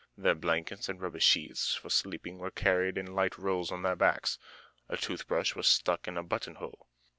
Their blankets and rubber sheets for sleeping were carried in light rolls on their backs. A toothbrush was stuck in a buttonhole.